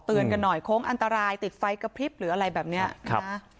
กันหน่อยโค้งอันตรายติดไฟกระพริบหรืออะไรแบบเนี้ยครับ